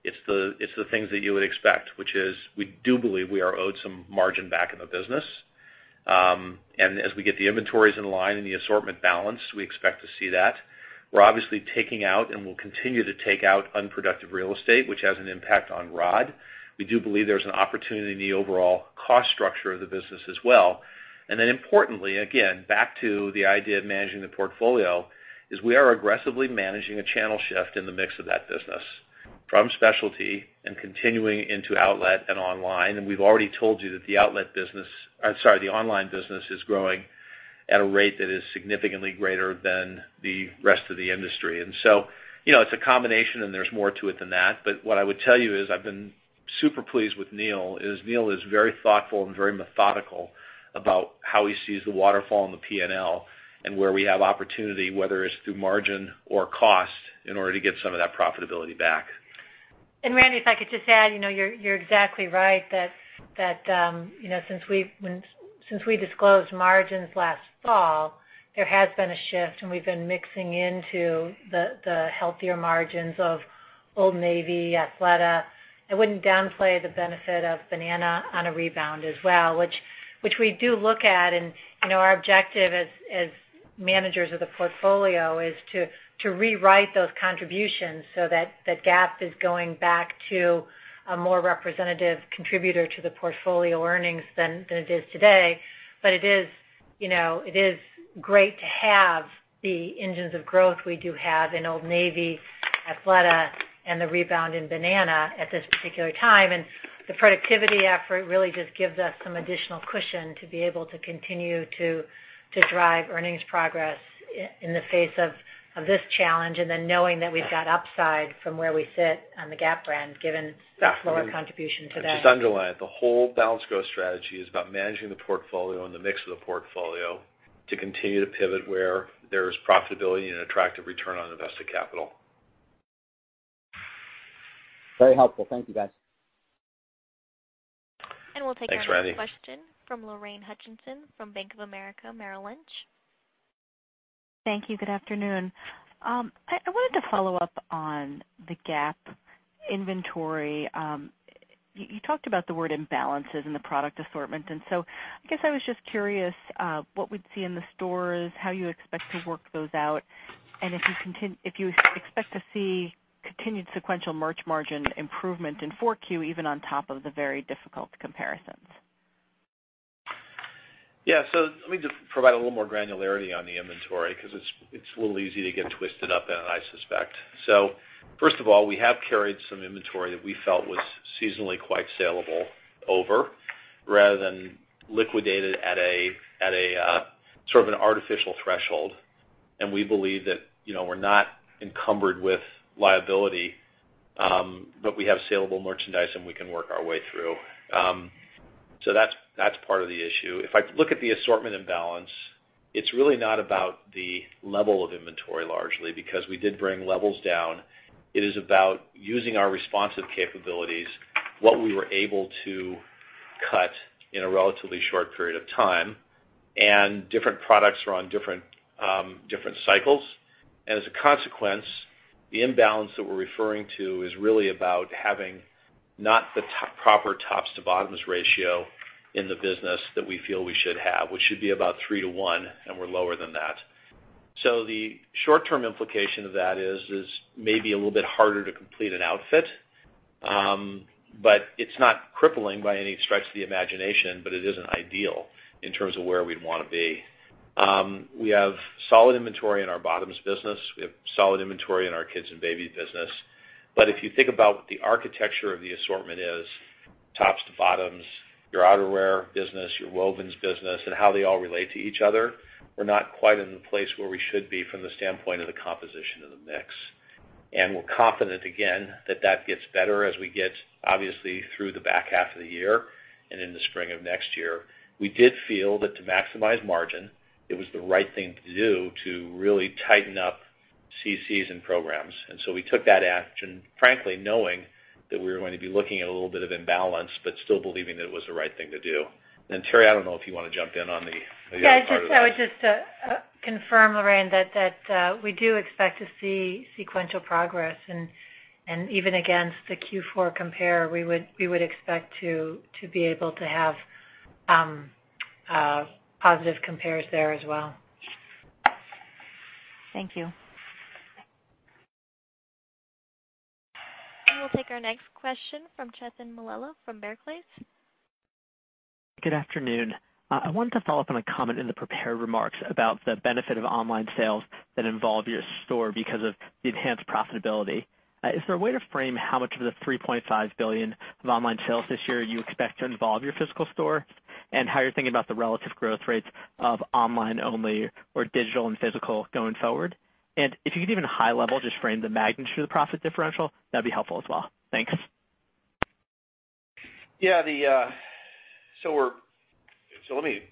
it's the things that you would expect, which is we do believe we are owed some margin back in the business. As we get the inventories in line and the assortment balanced, we expect to see that. We're obviously taking out and will continue to take out unproductive real estate, which has an impact on ROD. We do believe there's an opportunity in the overall cost structure of the business as well. Importantly, again, back to the idea of managing the portfolio, is we are aggressively managing a channel shift in the mix of that business from specialty and continuing into outlet and online. We've already told you that the online business is growing at a rate that is significantly greater than the rest of the industry. It's a combination, and there's more to it than that. What I would tell you is I've been super pleased with Neil, is Neil is very thoughtful and very methodical about how he sees the waterfall and the P&L and where we have opportunity, whether it's through margin or cost, in order to get some of that profitability back. Randal, if I could just add, you're exactly right that since we disclosed margins last fall, there has been a shift and we've been mixing into the healthier margins of Old Navy, Athleta. I wouldn't downplay the benefit of Banana on a rebound as well, which we do look at. Our objective as managers of the portfolio is to rewrite those contributions so that Gap is going back to a more representative contributor to the portfolio earnings than it is today. It is great to have the engines of growth we do have in Old Navy, Athleta, and the rebound in Banana at this particular time. The productivity effort really just gives us some additional cushion to be able to continue to drive earnings progress in the face of this challenge, then knowing that we've got upside from where we sit on the Gap brand given lower contribution today. Just underline it, the whole balanced growth strategy is about managing the portfolio and the mix of the portfolio to continue to pivot where there's profitability and attractive return on invested capital. Very helpful. Thank you, guys. Thanks, Randal. We'll take our next question from Lorraine Hutchinson from Bank of America Merrill Lynch. Thank you. Good afternoon. I wanted to follow up on the Gap inventory. You talked about the word imbalances in the product assortment. I guess I was just curious what we'd see in the stores, how you expect to work those out, and if you expect to see continued sequential merch margin improvement in 4Q, even on top of the very difficult comparisons. Let me just provide a little more granularity on the inventory because it's a little easy to get twisted up in, I suspect. First of all, we have carried some inventory that we felt was seasonally quite saleable over rather than liquidated at an artificial threshold. We believe that we're not encumbered with liability. We have saleable merchandise, and we can work our way through. That's part of the issue. If I look at the assortment imbalance, it's really not about the level of inventory largely because we did bring levels down. It is about using our responsive capabilities, what we were able to cut in a relatively short period of time, and different products are on different cycles. As a consequence, the imbalance that we're referring to is really about having not the proper tops to bottoms ratio in the business that we feel we should have, which should be about three to one, and we're lower than that. The short-term implication of that is maybe a little bit harder to complete an outfit. It's not crippling by any stretch of the imagination, but it isn't ideal in terms of where we'd want to be. We have solid inventory in our bottoms business. We have solid inventory in our kids and baby business. If you think about what the architecture of the assortment is, tops to bottoms, your outerwear business, your wovens business, and how they all relate to each other, we're not quite in the place where we should be from the standpoint of the composition of the mix. We're confident, again, that that gets better as we get, obviously, through the back half of the year and into spring of next year. We did feel that to maximize margin, it was the right thing to do to really tighten up CCs and programs. We took that action, frankly, knowing that we were going to be looking at a little bit of imbalance, but still believing that it was the right thing to do. Teri, I don't know if you want to jump in on the other part of this. Yeah, I would just confirm, Lorraine, that we do expect to see sequential progress. Even against the Q4 compare, we would expect to be able to have positive compares there as well. Thank you. We'll take our next question from Matthew Korn from Barclays. Good afternoon. I wanted to follow up on a comment in the prepared remarks about the benefit of online sales that involve your store because of the enhanced profitability. Is there a way to frame how much of the $3.5 billion of online sales this year you expect to involve your physical store? How you're thinking about the relative growth rates of online only or digital and physical going forward? If you could even high level, just frame the magnitude of the profit differential, that'd be helpful as well. Thanks. Yeah. Let me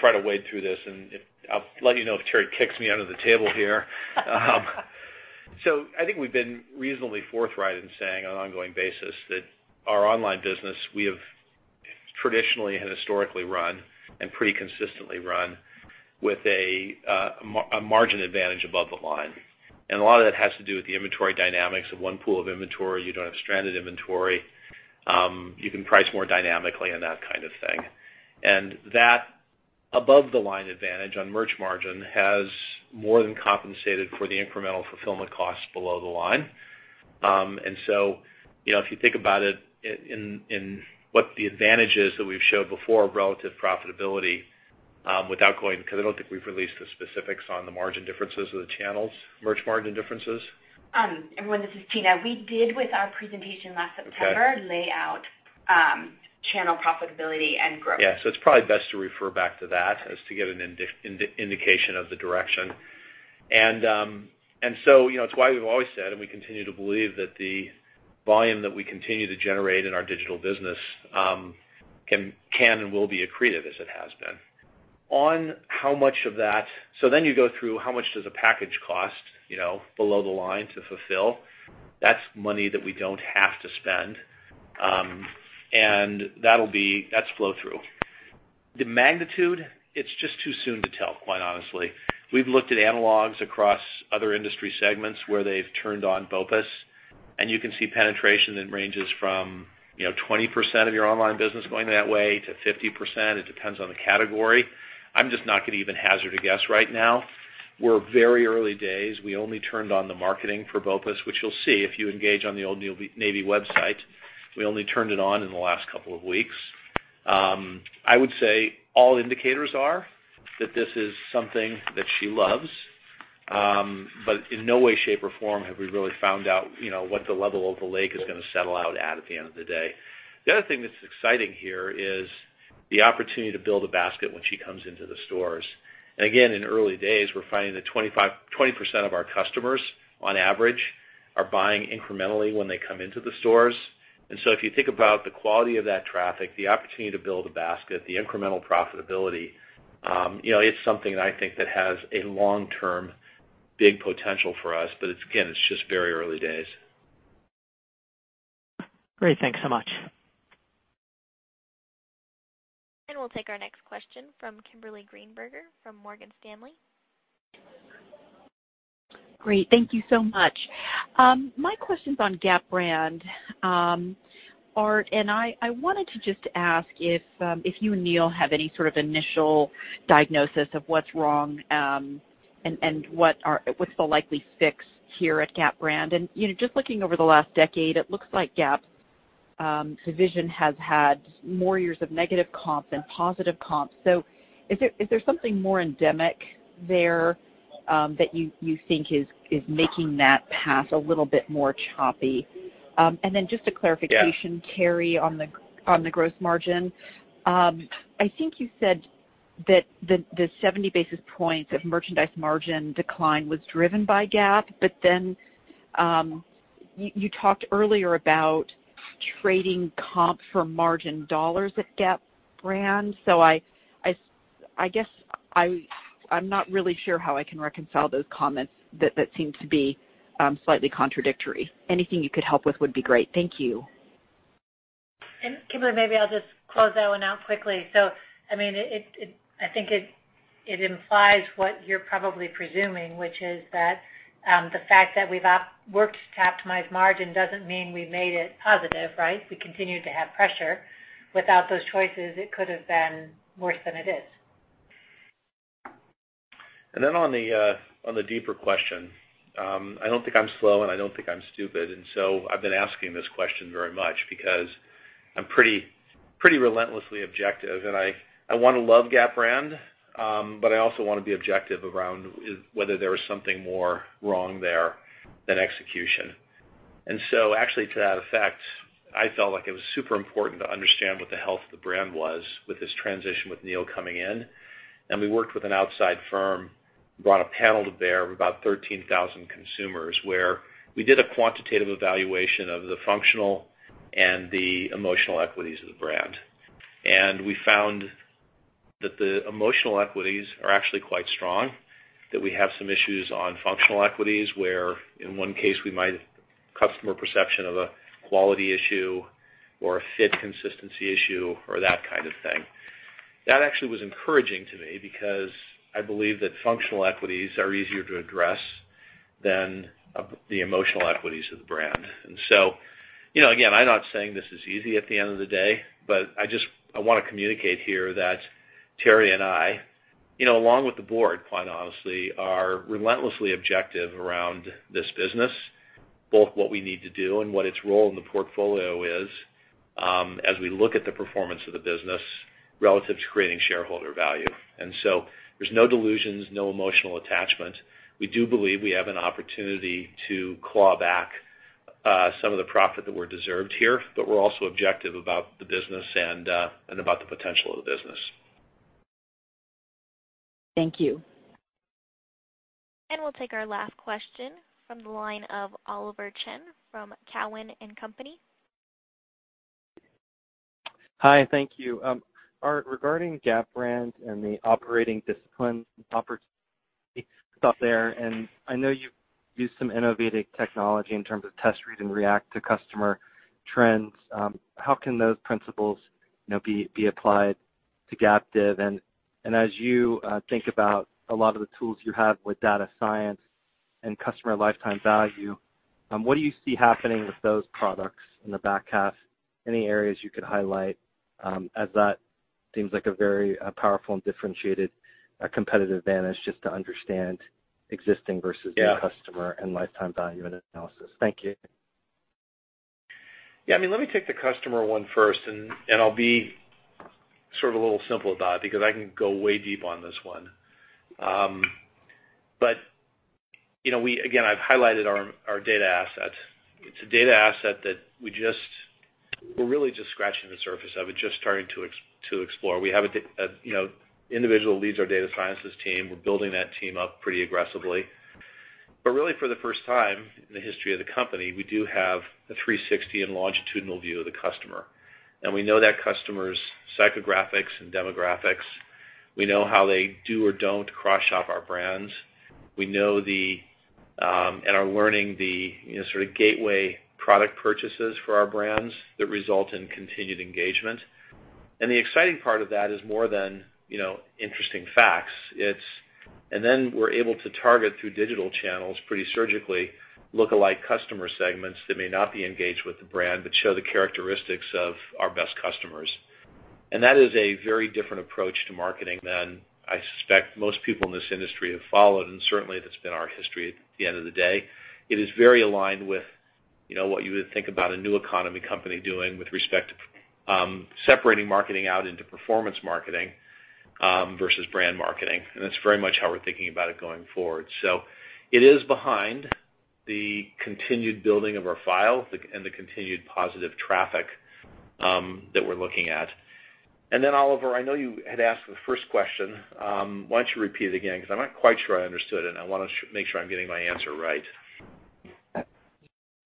try to wade through this, and I'll let you know if Teri kicks me under the table here. I think we've been reasonably forthright in saying on an ongoing basis that our online business we have traditionally and historically run, and pretty consistently run, with a margin advantage above the line. A lot of that has to do with the inventory dynamics of one pool of inventory. You don't have stranded inventory. You can price more dynamically and that kind of thing. That above-the-line advantage on merch margin has more than compensated for the incremental fulfillment cost below the line. If you think about it in what the advantage is that we've showed before, relative profitability, without going Because I don't think we've released the specifics on the margin differences of the channels, merch margin differences. Everyone, this is Tina. We did with our presentation last September. Okay We lay out channel profitability and growth. Yeah. It's probably best to refer back to that as to get an indication of the direction. It's why we've always said, and we continue to believe, that the volume that we continue to generate in our digital business can and will be accretive as it has been. You go through, how much does a package cost below the line to fulfill? That's money that we don't have to spend. That's flow-through. The magnitude, it's just too soon to tell, quite honestly. We've looked at analogs across other industry segments where they've turned on BOPUS, and you can see penetration that ranges from 20%-50% of your online business going that way. It depends on the category. I'm just not going to even hazard a guess right now. We're very early days. We only turned on the marketing for BOPUS, which you'll see if you engage on the Old Navy website. We only turned it on in the last couple of weeks. I would say all indicators are that this is something that she loves. In no way, shape, or form have we really found out what the level of the lake is going to settle out at the end of the day. The other thing that's exciting here is the opportunity to build a basket when she comes into the stores. Again, in the early days, we're finding that 20% of our customers, on average, are buying incrementally when they come into the stores. So if you think about the quality of that traffic, the opportunity to build a basket, the incremental profitability, it's something that I think that has a long-term big potential for us. Again, it's just very early days. Great. Thanks so much. We'll take our next question from Kimberly Greenberger from Morgan Stanley. Great. Thank you so much. My question's on Gap brand, Art. I wanted to just ask if you and Neil have any sort of initial diagnosis of what's wrong, and what's the likely fix here at Gap brand. Just looking over the last decade, it looks like Gap's division has had more years of negative comps than positive comps. Is there something more endemic there that you think is making that path a little bit more choppy? Just a clarification. Yeah Teri, on the gross margin. I think you said that the 70 basis points of merchandise margin decline was driven by Gap. You talked earlier about trading comp for margin dollars at Gap brand. I guess I'm not really sure how I can reconcile those comments that seem to be slightly contradictory. Anything you could help with would be great. Thank you. Kimberly, maybe I'll just close that one out quickly. I think it implies what you're probably presuming, which is that the fact that we've worked to optimize margin doesn't mean we made it positive, right? We continued to have pressure. Without those choices, it could have been worse than it is. On the deeper question, I don't think I'm slow, and I don't think I'm stupid. I've been asking this question very much because I'm pretty relentlessly objective, and I want to love Gap brand, but I also want to be objective around whether there was something more wrong there than execution. Actually to that effect, I felt like it was super important to understand what the health of the brand was with this transition with Neil coming in. We worked with an outside firm, brought a panel to bear of about 13,000 consumers, where we did a quantitative evaluation of the functional and the emotional equities of the brand. We found that the emotional equities are actually quite strong, that we have some issues on functional equities where, in one case, we might have customer perception of a quality issue or a fit consistency issue or that kind of thing. That actually was encouraging to me because I believe that functional equities are easier to address than the emotional equities of the brand. Again, I'm not saying this is easy at the end of the day, but I want to communicate here that Teri and I, along with the board, quite honestly, are relentlessly objective around this business, both what we need to do and what its role in the portfolio is, as we look at the performance of the business relative to creating shareholder value. There's no delusions, no emotional attachment. We do believe we have an opportunity to claw back some of the profit that were deserved here. We're also objective about the business and about the potential of the business. Thank you. We'll take our last question from the line of Oliver Chen from Cowen and Company. Hi. Thank you. Art, regarding Gap brand and the operating discipline opportunity there, I know you've used some innovative technology in terms of test, read, and react to customer trends. How can those principles be applied to Gap Div? As you think about a lot of the tools you have with data science and customer lifetime value, what do you see happening with those products in the back half? Any areas you could highlight, as that seems like a very powerful and differentiated competitive advantage just to understand existing versus- Yeah new customer and lifetime value analysis. Thank you. Yeah, let me take the customer one first, I'll be sort of a little simple about it, because I can go way deep on this one. Again, I've highlighted our data asset. It's a data asset that we're really just scratching the surface of, just starting to explore. We have an individual who leads our data sciences team. We're building that team up pretty aggressively. Really for the first time in the history of the company, we do have a 360 and longitudinal view of the customer. We know that customer's psychographics and demographics. We know how they do or don't cross-shop our brands. We know the, and are learning the sort of gateway product purchases for our brands that result in continued engagement. The exciting part of that is more than interesting facts. Then we're able to target through digital channels pretty surgically lookalike customer segments that may not be engaged with the brand but show the characteristics of our best customers. That is a very different approach to marketing than I suspect most people in this industry have followed, certainly that's been our history at the end of the day. It is very aligned with what you would think about a new economy company doing with respect to separating marketing out into performance marketing versus brand marketing. That's very much how we're thinking about it going forward. It is behind the continued building of our file and the continued positive traffic that we're looking at. Then, Oliver, I know you had asked the first question. Why don't you repeat it again, because I'm not quite sure I understood it, and I want to make sure I'm getting my answer right.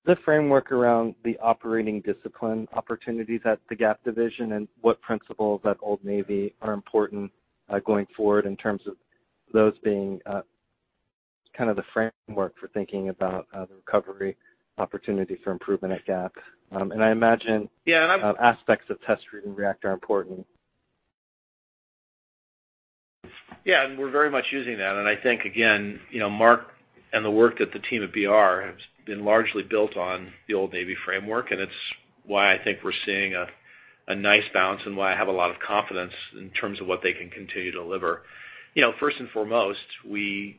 The framework around the operating discipline opportunities at the Gap and what principles at Old Navy are important going forward in terms of those being kind of the framework for thinking about the recovery opportunity for improvement at Gap. Yeah. aspects of test, read, and react are important. Yeah, we're very much using that. I think, again, Mark and the work that the team at BR has been largely built on the Old Navy framework. It's why I think we're seeing a nice bounce and why I have a lot of confidence in terms of what they can continue to deliver. First and foremost, we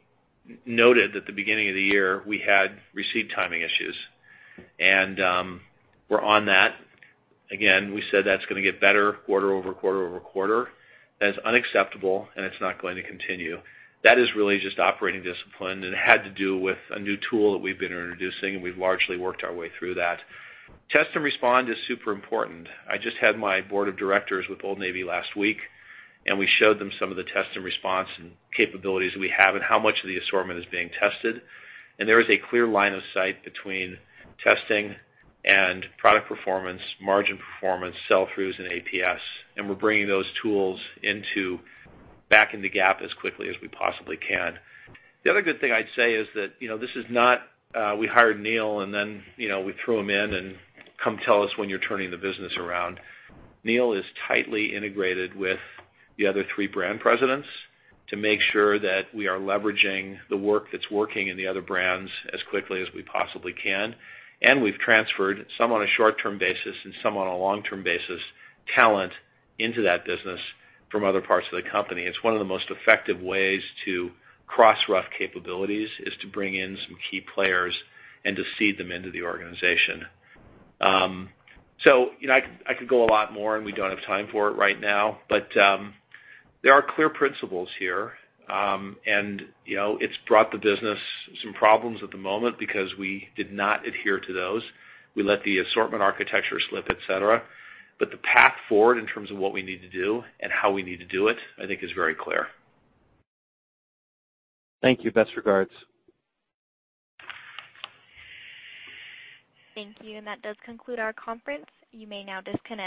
noted at the beginning of the year we had receipt timing issues. We're on that. Again, we said that's going to get better quarter over quarter over quarter. That is unacceptable, and it's not going to continue. That is really just operating discipline. It had to do with a new tool that we've been introducing. We've largely worked our way through that. Test and respond is super important. I just had my board of directors with Old Navy last week. We showed them some of the test and response capabilities we have and how much of the assortment is being tested. There is a clear line of sight between testing and product performance, margin performance, sell-throughs, and APS. We're bringing those tools back into Gap as quickly as we possibly can. The other good thing I'd say is that this is not we hired Neil and then we threw him in and, "Come tell us when you're turning the business around." Neil is tightly integrated with the other three brand presidents to make sure that we are leveraging the work that's working in the other brands as quickly as we possibly can. We've transferred, some on a short-term basis and some on a long-term basis, talent into that business from other parts of the company. It's one of the most effective ways to cross-functional capabilities, is to bring in some key players and to seed them into the organization. I could go a lot more. We don't have time for it right now, but there are clear principles here. It's brought the business some problems at the moment because we did not adhere to those. We let the assortment architecture slip, et cetera. The path forward in terms of what we need to do and how we need to do it, I think is very clear. Thank you. Best regards. Thank you. That does conclude our conference. You may now disconnect.